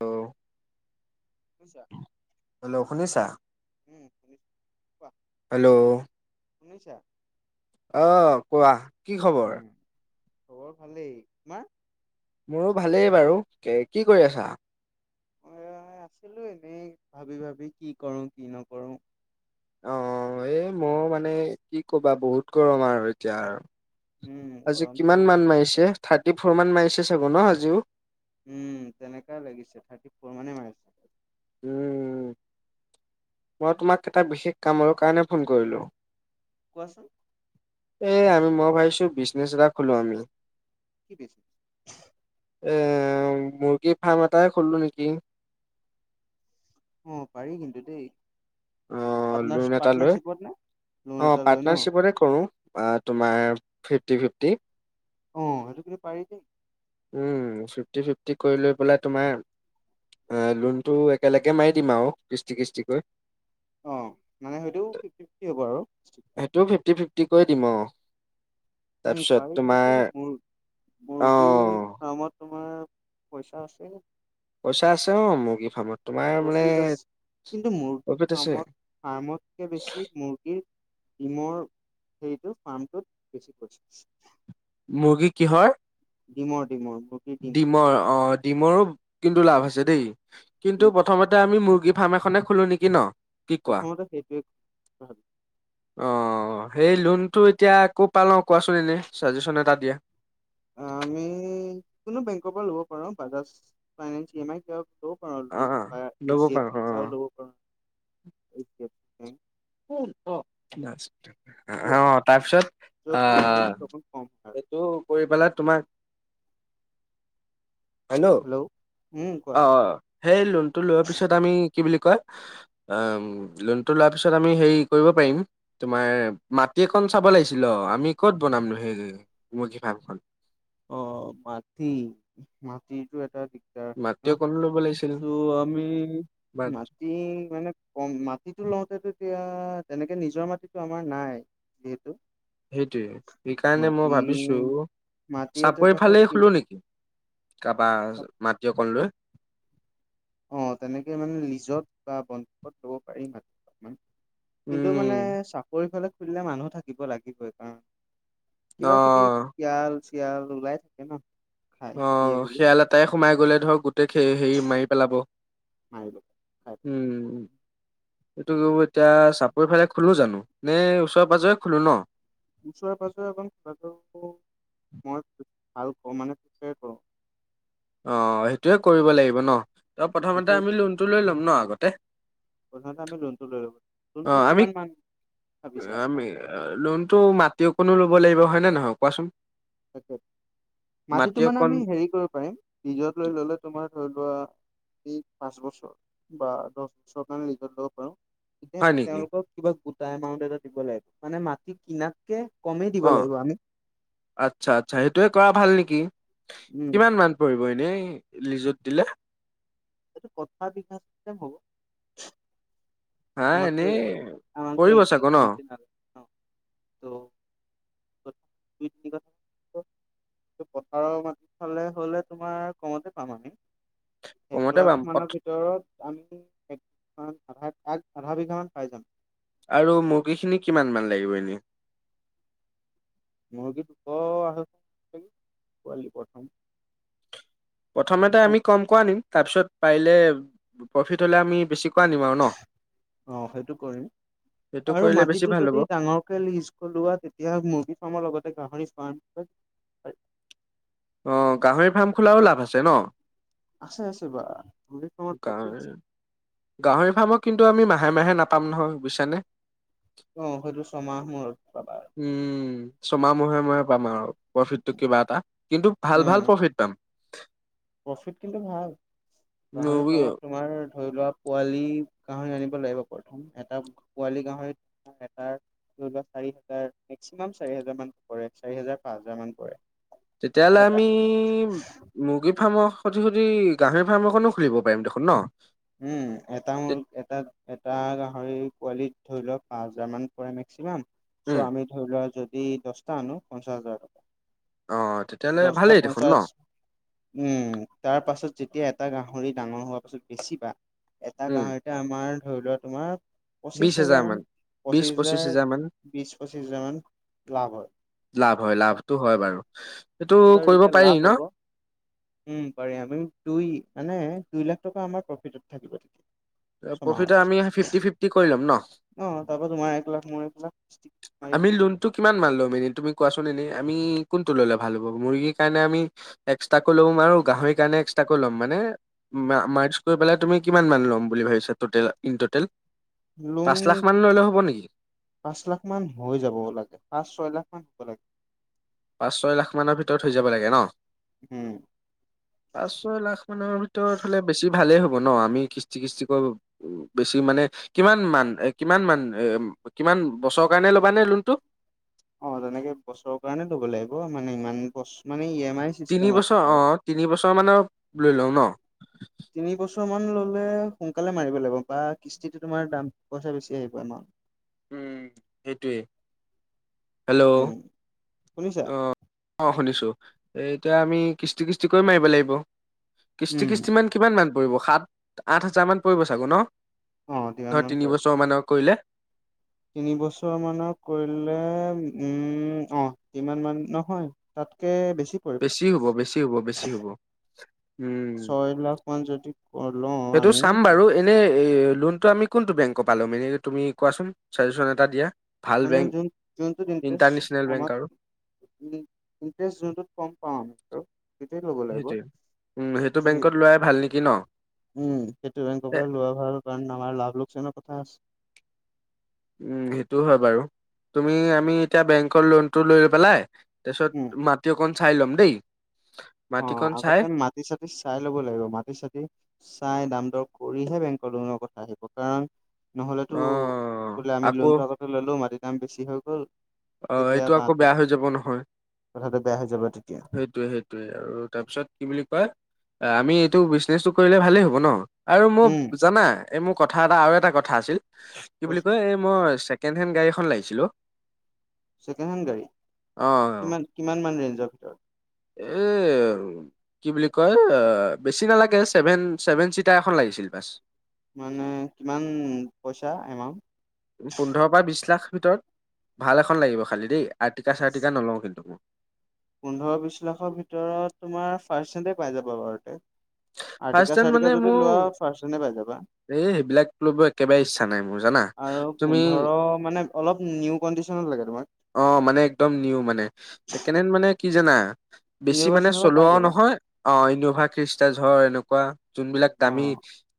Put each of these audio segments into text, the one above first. Hello বুইছা। Hello শুনিছা শুনিছো কোৱা হেল্ল'। শুনিছা। আহ কোৱা কি খবৰ? উম খবৰ ভালেই তোমাৰ মোৰো ভালেই বাৰু কি কৰি আছা? আছিলো। এনেই ভাবি ভাবি কি কৰো? কি নকৰো? অ এই মই মানে কি কবা বহুত গৰম আৰু এতিয়া আৰু উম আজি গৰমটো কিমান মান মাৰিছে। থাৰ্টি ফৰ মান মাৰিছে চাগ ন আজিও। উম তেনেকোৱাই লাগিছে থাৰ্টি ফৰ মানে মাৰিছে। উম মই তোমাক এটা বিশেষ কামৰ কাৰণে ফোন কৰিলোঁ। কোৱাচোন। এ আমি মই ভাইছো বিজনেচ এটা খোলো আমি। কি পেছে? এ মুৰ্গী ফাৰ্ম এটাই খুলো নেকি? অ পাৰি কিন্তু দেই অ পাৰ্টনাৰ লোন এটা লৈ পাৰ্টনাৰশ্বিপত নে লোন অহ এটা লৈ ন পাৰ্টনাৰশ্বিপতে কৰো অ তোমাৰ ফিফটি ফিফটি অ সেইটো কি পাৰি দেই উম ফিফটি ফিফটি কৰি লৈ পেলাই তোমাৰ অহ লোনটো একেলগে মাৰি দিম আৰু কিস্তি কিস্তিকৈ অ মানে হয়টো ফিফট ফিফটি হ'ব আৰু সেইটোও ফিফটি ফিফটি কৰি দিম অ উম তাৰপিছত পাৰি তোমাৰ কেনেকি মুৰ্গ মুৰ্গীৰ অ'। ফ্ৰামত তোমাৰ পইচা আছে। পইচা আছে অ মুৰ্গী ফাৰ্মত তোমাৰ মানে প্ৰচু আছে কিন্তু মুৰ্গী প্ৰফিট আছে। ফাৰ্মত ফাৰ্মতকে বেছি মুৰ্গীৰ। ইমৰ হেৰিটো ফাৰ্মটোত বেছি কৰি মুৰ্গী কিহৰ ডিমৰ মুৰ্গীৰ ডিম ডিমৰ অ ডিমৰো কিন্তু লাভ আছে দেই কিন্তু প্ৰথমতে আমি মুৰ্গী ফাৰ্ম এখনে খোলো নেকি ন কি কোৱা প্ৰথমতে সেইটোৱে ভাল। অ। সেই লোনতটো এতিয়া একো পালওঁ কোৱাচোন এনেই চাজেচন এটা দিয়া আমি কোনো বেং পৰা লব পাৰো বাজাজ ফাইনেনচ আহ লব পাৰো অ। উম। অ অ য'ত তাৰপিছত য'ত মানে আহ ইণ্টাৰেষ্টটো অকণ কম হয় আৰু। সেইটো কৰি পেলাই তোমাক হেল্ল' অ উম কোৱা। অ সেই লোনটো লোৱাৰ পিছত আমি। কি বুলি ক লোন লা তাৰ পিছত আমি হেৰি কৰিব পাৰিম তুমাৰ মাটি একন চাব লাগিছিল অ আমি ক'ত বনামো সেই মজি ফামখন অ মাটি মাটিতো এটা দিগদাৰ ন। মাতিয় কনলো ব চ' আমি মাটি মানে কম মাটিতো লওঁতে তেতিয়া অ তেনেকে নিজৰ মাটিতো আমাৰ নাই যিহেতু সেইটোৱে সেইকাৰণে মই মাটি ভাবিছো। মাটি চাপৰি এডোখৰ ফালেই কি খোলো নেকি কাৰবাৰ মাটি অকন লৈ অ তেনেকে মানে লিজত বা বনত লব পাৰিম অলমান। কিন্তু মানে উম চাপৰি ফালে খুলিলে মানুহ থাকিব লাগিব এই কাৰণ কিবা কিবি অ', শিয়াল চিয়াল ওলাই থাকে ন। খাই অ দিয়ে বুলি শিয়াল এটাই সোমাই গ'লে ধৰক গো গোটেই হেৰি মাৰি পেলাব মাৰিব খাই উম সেইটো এতিয়া চাপৰি ফালে খোলো জানো নে ওচৰেৰে পাজৰে খলো ন ওচৰে পাজৰে অকন মই ভাল ক মানে প্ৰিপ্ৰায়ৰ কৰো অ সেইটোয়ে কৰিব লাগিব ন ত প্ৰথমতে সেইটোৱে আমি কৰোঁ। লোনটো লৈ ল'ম ন আগতে লোণ টো লৈ ল লোণ টো অ', আমি কিমান মান। ভাবিছা? অ, আমি লোনতো মাটি অকনো লব লাগিব হয় নে নহয় কোৱাচোন তাকে মাটিতো মাটি মানে অকণ আমি হেৰি কৰিব পাৰিম ৰীজত লৈ ললে তোমাৰ ধৰি লোৱা এই পাঁচ বছৰ বা দহ বছৰৰ কাৰণে ৰিজাত ল'ব পাৰো। এতিয়া হয় নেকি? তেওঁলোকক কিবা গোটা এমাউণ্ট এটা দিব লাগিব মানে মাটি কিনাতকে কমেই দিব অ', লাগিব আমি আচ্ছা আচ্ছা সেইটোয়ে কৰা ভাল নেকি উম কিমান মান পৰিব। এনেই লিজত দিলে। [unintelligible] হা আমাকতো এনেই এ আমাৰতো পৰিব এক চাগে ন? বিঘা মাটি নালাগে ন? [unintelligible] [unintelligible] পথাৰৰ মাটি ফালে হলে তোমাৰ কমতে পাম আমি। এক কমতে পাম লাখ মানৰ পথ- ভিতৰত আমি এক আধাই আগ আধা বিঘাামান পাই যাম। আৰু মুৰ্গীখিনি কিমান মান লাগিব এনে? মুৰ্গী দুখৰ অহ পোৱালি প্ৰথম প্ৰথম'তে আমি কমকে আনিম তাৰপিছত পাৰিলে প্ৰফিট হ'লে আমি বেছি ম আৰু ন? অ সেইটো কৰিম। সেইটো আৰু কৰিলে বেছি মাটিতো ভাল হ'ব যদি ডাঙৰকে লিজ খলোৱা তেতিয়া মুৰ্গী ফাৰ্মৰ লগতে গাহৰি পপ [unintelligible] অ গাহৰি ফাৰ্ম খোলাও লাভ আছে ন? আছে আছে বা গাহৰি ফাৰ্মত গাহৰি প্ৰফিট গাহৰি ফাৰ্মক কিন্তু আমি মাহে মাহে নাপাম নহয় বুইছানে? অ হয়টো ছমাহ মূৰত পাবা আৰু। উম ছমাহ মহে মহে পাম আৰু প্ৰফিটটো কিবা এটা কিন্তু ভাল উম ভাল প্ৰফিট পাম। প্ৰফিট কিন্তু ভাল গাহৰি ফ্ৰামত তোমাৰ ধৰি লোৱা পোৱালি গাহৰি আনিব লাগিব প্ৰথম এটা পোৱালি গাহৰিত এ চাৰি হাজাৰ মেক্সিমাম চাৰি হাজাৰ মান পৰে চাৰি হাজাৰ, পাঁচ হাজাৰ মান পৰে। তেতিয়াহ'লে এটা আমি মুৰ্গী ফাৰ্মৰ- স সুধি গাহৰি ফাৰ্ম এখনো খুলিব পাৰিম দেখোন ন? উম, এটা মোৰ এটা এটা গাহৰি পোৱালিক ধৰি লোৱা পাঁচ হাজাৰ মান পৰে মেক্সিমাম উম চ' আমি ধৰি লোৱা যদ এই দশটা আনো পঞ্চাশ হাজাৰ টকা। অ তেতিয়াহ'লে দশটা ভালেই দেখোন ন পঞ্চাশ, উম, তাৰ পাছত যেতিয়া এটা গাহৰি ডাঙৰ হোৱা পাছত বেছিবা এটা উম গাহৰিতে আমাৰ ধৰি লোৱা তোমাৰ বিশ পঁচিশ হাজাৰ হেজাৰ মান বিশ পঁচিশ হাজাৰ, হেজাৰ মান বিশ পঁচিছ হাজাৰ, মান লাভ হয়। লাভ হয় লাভটো হয় এক বাৰু। এইটো হাজাৰ কৰিব যেতিয়া পাৰি লাভ ন হ'ব, উম পাৰি আমি দুই মানে, দুই লাখ টকা আমাৰ প্ৰফিটত থাকিব তেতিয়া। প্ৰফিট ছমাহৰ পাছত, আমি ফিফটি ফিফটি কৰি ল'ম ন অ', তাৰপিছত মাহে তোমাৰ [unintelligible] আমি লোনটো কিমান মান ল'ম এনেই তুমি কোৱা? [unintelligible] আমি কোনটো ললে ভাল হ'ব মুৰ্গীৰ কাৰণে আমি, এক্সট্ৰাকৈ ল'ম আৰু গাহৰিৰ কাৰণে এক্সট্ৰা লম মানে মাৰ্কচকৈ পেলাই তুমি কিমান মান ল'ম বুলি ভাবিছা ইন টোটেল? লোন পাঁচ লাখ মান ললে হ'ব নেকি? পাঁচ লাখ মান হৈ যাব লাগে, পাঁচ-ছয় লাখ মান হ'ব লাগে। পাঁচ- ছয় লাখ মানৰ ভিতৰত হৈ যাব লাগে ন? উম, পাঁচ -ছয় লাখ মানৰ ভিতৰত হলে বেছি ভালেই হ'ব ব ন, আমি কিস্তি কিস্তিকৈ, বেছি মানে কিমানমান কিমান মান এ [unintelligible] বছৰৰ কাৰণে ল'বা নে লোনটো? অ', তেনেকে বছৰৰ কাৰণে ল'ব লাগিব মানে ইমান বছ মান তিনি বছৰ অ', তিনিবছৰ মানৰ লৈ লওঁ ন? তিনিবছ ছৰ মান ললে সোনকালে মাৰিব লাগিব বা কিস্তিটো তোমাৰ দাম, পইচা বেছি আহিব আমাৰ। উম সেইটোৱে, হেল্ল' উম শুনিছা অ', অ, শুনিছো, এতিয়া আমি কিস্তি কিস্তি কৰি মাৰিব লাগিব। কিস্তি কিস্তি মান কিমান মান পৰিব সাত, আঠ হাজাৰ মান পৰিব চাগে ন? অ তিমান ধৰ মান কৰিব তিনিবছৰ মানৰ কৰিলে তিনি বছৰ মানৰ কৰিলে উম অ ইমান মান নহয় তাত তকে বেছ ছি পৰিব বেছি হ'ব বেছি হ'ব বেছি হ'ব। উম। ছয় লাখ মান যদি লওঁ সেইটো আমি চাম বাৰু এনেই এই লোনটো আমি কোনটো বেংকৰ পা লম এনেই তুমি কোৱাচোন ছাজেচন এটা দিয়া। ভাল মানে বেংক, যোন ইণ্টাৰনেচনেল বেংক আৰু। [unintelligible] ইণ্টাৰেষ্ট যোনটোত কম পাওঁ আৰু ল'ব লাগিব সেইটোয়ে, উম সেইটো বেংকত লোৱাই ভাল নেকি ন? উম, সেইটো বেংকৰ এ পৰা লোৱা ভাল কাৰণ আমাৰ লাভ লোকচানৰ কথা আছে। উম, সেইটো হয় বাৰু, তুমি আমি এতিয়া বেংকৰ লোনটো লৈ পেলাই উম তাৰপিছত মাটি অকণ চাই ল'ম দেই। অ', মাটিকণ চাই আগতে মাটি চাটি চাই ল'ব লাগিব মাটি চাটি চাই দাম দৰ কৰিহে বেংকৰ লোনৰ কথা আহিব, কাৰণ নহলেতো অ' বোলে আমি আকৌ লোনটো আগতে ললো মাটিৰ দাম বেছি হৈ গ'ল। অ', তেতিয়া এইটো আকৌ বেয়া হৈ যাব নহয়, কথাটো বেয়া হৈ যাব তেতিয়া সেইটোয়ে সেইটো আৰু তাৰপিছত কি বুলি কয় আমি এইটো বিজনেছটো কৰিলে ভালেই হ'ব ন? আৰু মোক উম, জানা, এই মোৰ কথা এটা আৰু এটা কথা আছিল, কি বুলি কোৱাচোন কয় এই মই চে ছেকেণ্ড হেণ্ড গাড়ীখন লাগিছিলে অ, ছেকেণ্ড হেণ্ড গাড়ী, কিমান কিমান মান ৰেঞ্জৰ ভিতৰত। এ কি বুলি কয় বেছি আহ নালাগে ছেভেন-ছেভেন চিটাৰ এখন লাগিছিল বাছ। মানে, কিমান পইচা এমাউণ্ট পোন্ধৰ পৰা বিশ লাখ ভিতৰত। ভাল এখন লাগিব খালি দেই আৰ্টিকা চাৰটিকা নলওঁ কিন্তু মই পোন্ধৰ বিশ লাখৰ ভিতৰত তোমাৰ ফাৰ্ষ্ট হেণ্ড এ পাই যাবা বাৰু [unintelligible] আৰটিকা হেণ্ড মানে চাৰটিকা যদি মোৰ লোৱা ফাৰ্ষ্ট হেণ্ড এ পাই যাবা এই সেইবিলাক ল'ব একেবাৰে ইচ্ছা নাই মোৰ জানা আৰু তুমি পোন্ধৰ মানে অলপ নিউ কণ্ডিচনত খন লাগে তোমাক অ মানে একদম নিউ মানে ছেকেণ্ড হেণ্ড মানে কি জানা বেছি ইন'ভা মানে চিন'ভা পাই চলোৱাও যাবা নহয় অ ইনৌভা ফ্ৰিচ্ ধৰ এনেকুৱা যোনবিলাক দামী অ'।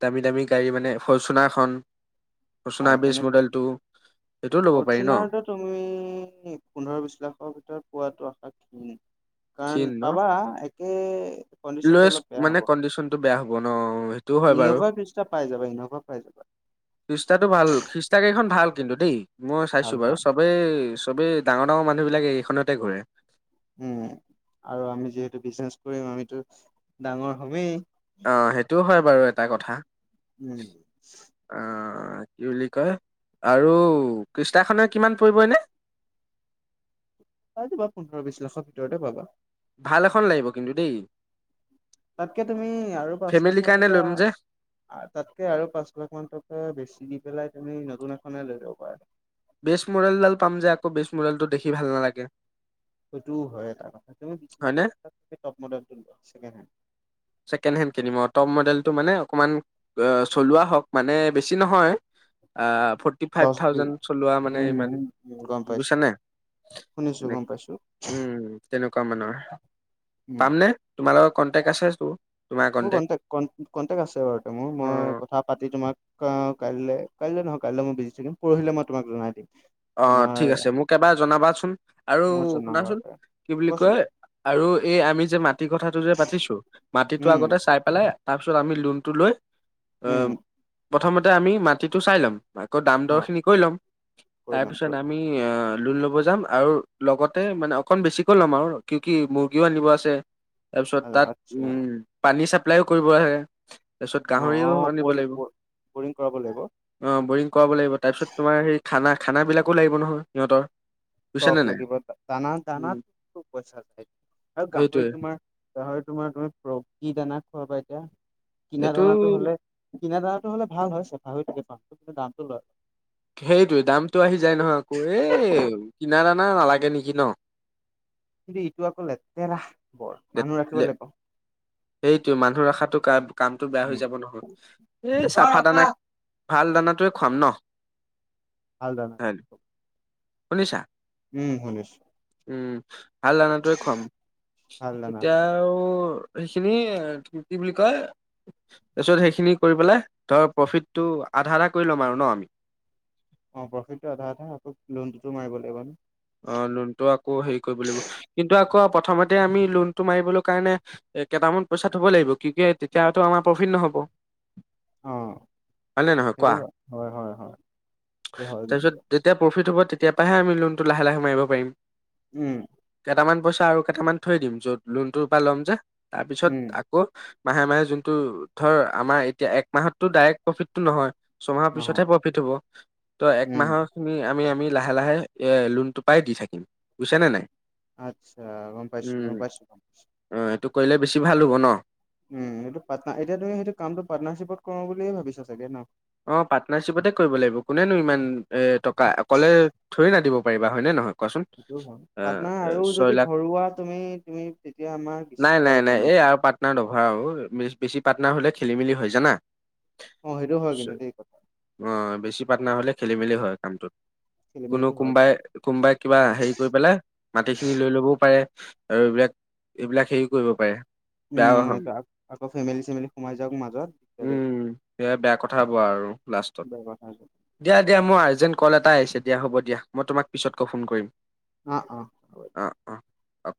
দামী দামী গাড়ী মানে ফৰ্চুনাৰখন অ ফৰ্চুনাৰ বেছ তেনে মডেল টো ফৰ্চুনাৰটো তুমি পোন্ধৰ বিশ লাখৰ ভিতৰত পোৱাটো আশা খিন [inaudible] খিন ন কণ্ডিশনটো লৈচ্ অলপ বেয়া মানে হ'ব কণ্ডিচনতটো বেয়া হ'ব ন সেইটো হয় বাৰু ইন'ভা খ্ৰীষ্টা পাই যাবা ইন'ভা পাই যাবা খিষ্টাটো ভাল খিষ্টা গাড়ীখন ভাল কিন্তু দেই মই চাইছো ভাল বাৰু ভাল চবেই চবেই ডাঙৰ ডাঙৰ মানুহবিলাকে এইখনতে ঘূৰে উম আৰু আমি যিহেতু বিজনেচ কৰিম আমিতো ডাঙৰ হমেই অ সেইটোও হয় বাৰু এটা কথা উম অ কি বুলি কয় আৰু কৃষ্টাখনে কিমান পৰিব এনে [inaudible] পাই যাবা পোন্ধৰ বিশ লাখৰ ভিতৰতে পাবা ভাল এখন লাগিব কিন্তু দেই তাতকে তুমি আৰু পাঁচ লাখ ফেমিলিৰ মান কাৰণে টকা ল'ম যে তাতকে আৰু পাঁচ লাখ মান টকা বেছি দি পেলাই তুমি নতুন এখনে লৈ লব পাৰা বেচ মডেলডাল পাম যে আকৌ বেচ মডেলটো দেখি ভাল নালাগে সেইটো হয় এটা কথা তুমি হয়নে বিছনাখন টপ মডেলটো লোৱা ছেকেড হেণ্ড। ছেকেণ্ড হেড কিনিম টপ মডেলটো মানে অকণমান চলোৱা হওক মানে বেছি নহয়। ফৰ্টি হেণ্ড ফাইভ দহ বি থাউজেন্ড চলোৱা মানে উম, ইমান উম, গম পাইছো, বুছানে? শুনিছো গম পাইছো, উম তেনেকুৱা অকমানৰ উম। পাম নে তোমাৰ লগত কণ্টেক্ট আছে টো মোৰ কণ্টেক্ট কন কণ্টেক্ট আছে বাৰু মোৰ অ মই কথা পাতি তোমাক কাইলে কাইলে নহয় কাইলে মই বিজি থাকিম পৰহিলে মই তোমাক জনাই দিম। অ তোমাৰ ঠিক আছে মোক এবাৰ জনাবাচোন আৰু মই জনাম বাৰু, শুনাচোন তে। কি বুলি কোৱাচোন কয় আৰু এই আমি যে মাটিৰ কথাটো যে পাতিছো মাটিত টো উম, আগতে চাই পেলাই তাৰ পিছত আমি লোনটো লৈ উম, অহ প্ৰথমতে আমি মাটিটো চাই ল'ম আকৌ দাম অ'। দৰখিনি কৰি ল'ম কৰি ল'ম তাৰপিছত কৰি ল'ম, আমি লোন ল'ব যাম আৰু লগতে মানে অকণ বেছিকৈ ল'ম আৰু কি কি মুৰ্গীও আনিব আছে। তাৰ পিছত আ, তাত আচ্ছা উম পানী চাপ্লাইও কৰিব আহে তাৰপিছত অ', গাহৰিও অ', আনিব বৰিং লাগিব। বৰিং কৰাব লাগিব। অ বৰিং কৰাব লাগিব তাৰপিছত তোমাৰ হেই খানা খানাবিলাকো লাগিব নহয় সিহঁতৰ। বুজিছা চ'প নে নাই লাগিব দানা উম, দানাটো পইছা লাগিব। আৰু গাহৰি সেইটোৱে তোমাৰ গাহৰি তোমাৰ তুমি প্ৰ কি দানা খুৱাবা এতিয়া, কিনা এইটো দানাটো হ'লে কিনা দৰাটো হ'লে ভাল হয় চাফা হৈ থাকে পাকটো কিন্তু দামটো লয়। সেইটোৱে দামটো আহি যায় নহয় আকৌ, এই কিনা দানা নালাগে নিকি ন? কিন্তু ইটো আক লেতেৰা বৰ লেত মানুহ ৰাখিব লেত লাগিব। সেইটোৱে মানুহ ৰখাতো কা কামটো বেয়া হৈ উম, যাব নহয়, এই অ চাফা ৰখা। দানা ভাল দানাটোৱে খুৱাম ন? ভাল দানা কাইলে, শুনিছা? উম শুনিছোঁ। উম ভাল দানাটোৱে খুৱাম, ভাল দানা এতিয়া আৰু সেইখিনি কি কি বুলি কয় তাৰপিছত সেইখিনি কৰি পেলাই ধৰ প্ৰফিটটো আধা আধা কৰি ল'ম আৰু ন আমি? অ প্ৰফিট টো আধা আধা আকৌ লোনটোতো মাৰিব লাগিব ন। অ লুনটো আকৌ হেৰি কৰিব লাগিব কিন্তু আকৌ প্ৰথমতে আমি লোনতটো মাৰিবলৈ কাৰণে কেইটামান পইচা থব লাগিব কি কি তেতিয়া আমাৰ প্ৰফিট নহ'ব। [unintelligible] অ হয় নে নহয় সেইটো কোৱা হয় হয় হয় হয় সেইটো তাৰপিছত কিন্তু যেতিয়া প্ৰফিট হ'ব তেতিয়া পাহে আমি লোনটো লাহে লাহে মাৰিব পাৰিম। উম কেইটামান পইচা আৰু কেইটামান থৈ দিম, য'ত লোনটোৰ পৰা ল'ম যে উম, তাৰপিছত আকৌ মাহে মাহে যোনটো ধৰ আমাৰ এতিয়া এক মাহতটো ডাইৰেক্ট প্ৰফিটটো নহয়। ছমাহৰ নহয় পিছতহে প্ৰফিট হব ত' উম, একমাহৰ খিনি আমি আমি লাহে লাহে এ লোনটো পায় দি থাকিম বুইচা নে নাই। আচ্ছা গম পাইছো উম গম পাইছো গম পাইছো। অ এইটো কৰিলে বেছি ভাল হ'ব ন? উম সেইটো পাটনা এতিয়া তুমি সেইটো কামটো পাৰ্টনাৰশ্বিপত কৰো বুলি ভাবিছা চাগে ন? অ পাৰ্টনাৰশ্বিপতে কৰিব লাগিব কোনেনো ইমান এ টকা অকলে থুৰে না দিব পাৰিবা হয়নে নহয়? কোৱাচোন সেইটো হয় আ পাটনাৰ এ আৰু ছয় যদি লাখ ভৰুৱা তুমি তুমি তেতিয়া আমাৰ নাই দৃশ্য নাই আৰু নাই কমিব। এই আৰু পাৰ্টনাৰ নভাৰাও আৰু বেছি পাৰ্টনাৰ হলে খেলি মেলি হৈ জানা। অ, সেইটো হয় কিন্তু দেই কথা অ বেছি পাটনাৰ হলে খেলি মেলি হয় কামটোত। খেলি কোনো মেলিটো হয় বাৰু। কোনবাই কোনোবাই কিবা হেৰি কৰি পেলাই মাটিখিনি লৈ ল'বও পাৰে। আৰু এইবিলাক এইবিলাক হেৰি কৰিব পাৰে। উম বেয়া হম আকৌ ফেমেলি চেমেলি সোমাই যাওক মাজত দিগদাৰি। খোৱা বোৱা আৰু লাষ্টত বেয়া কথা হ'ব। দিয়া দিয়া - মোৰ আৰ্জেন্ট কল এটাই আহিছে দিয়া হ'ব দিয়া মই তোমাক পিছতকৈ ফোন কৰিম। অ অ। আ